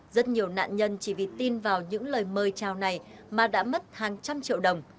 rất nhiều nạn nhân chỉ vì tin vào những lời mời chào này mà đã mất hàng trăm triệu đồng